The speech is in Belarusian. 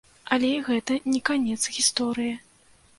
Але і гэта не канец гісторыі.